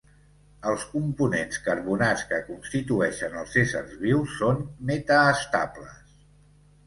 Els components carbonats que constitueixen els éssers vius són metaestables.